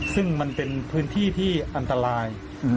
ซึ่งมันเป็นพื้นที่ที่อันตราย